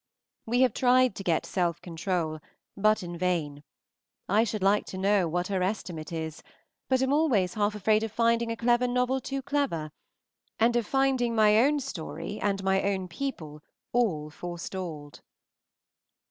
We have tried to get "Self control," but in vain. I should like to know what her estimate is, but am always half afraid of finding a clever novel too clever, and of finding my own story and my own people all forestalled.